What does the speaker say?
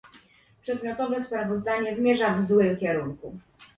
Przedmiotowe sprawozdanie zmierza w złym kierunku